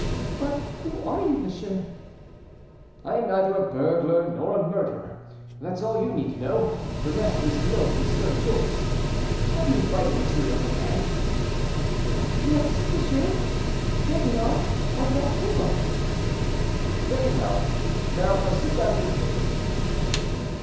"But who are you, monsieur?" "I am neither a burglar nor a murderer; that's all you need to know; the rest is no concern of yours. Have you writing materials at hand?" "Yes, monsieur; there they are, on that table." "Very well. Now sit down at the table."